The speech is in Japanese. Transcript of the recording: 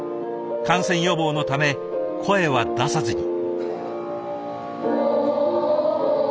感染予防のため声は出さずに。